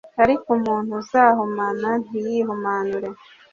ariko umuntu uzahumana ntiyihumanure